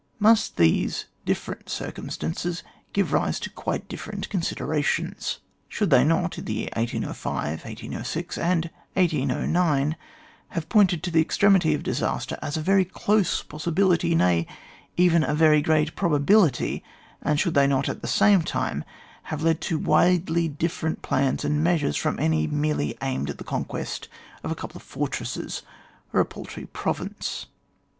Must not these different circumstances give rise to quite different considerations ? Should they not in the year 1805, 1806, and 1809 have pointed to the extremity of disaster as a very close possibility, nay, even a very great probability, and should they not at the same time have led to widely different plans and measures from any merely aimed at the conquest of a couple of fortresses or a paltry pro vince